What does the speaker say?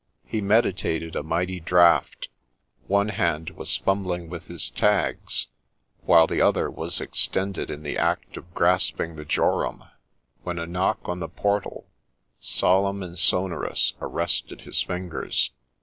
He meditated a mighty draft : one hand was fumbling with his tags, while the other was extended in the act of grasping the jorum, when a knock on the portal, solemn and sonorous, arrested hia fingers.